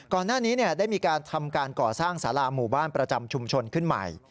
ก่อนหน้านี้ได้มีการทำการก่อสร้างสาราหมู่บ้านประจำชุมชนขึ้นใหม่